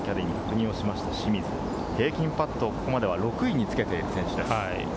平均パット、ここまでは６位につけている選手です。